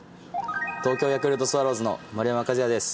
東京ヤクルトスワローズの丸山和郁です。